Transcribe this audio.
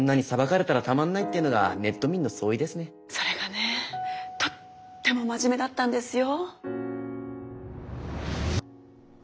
それがねとっても真面目だったんですよ。